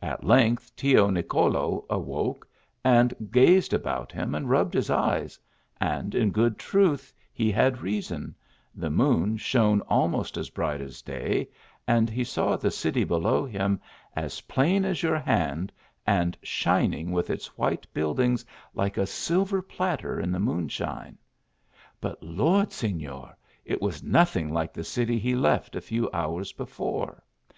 At length Tio Nicolo awoke, and gazed about him, and rubbed his eyes and in good truth he had reason the moon shone almost as bright as day, and he saw the city below him, as plain as your hand, and shining with its white buildings like a silver platter in the moonshine ; but lord ! Sefior ! it was nothing like the city he left a few hours before.